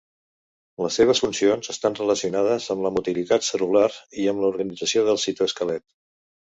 Les seves funcions estan relacionades amb la motilitat cel·lular i amb l'organització del citoesquelet.